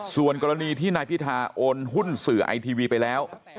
ส่วนกรณีที่นายพิธาโอนหุ้นสื่อไอทีวีไปแล้ว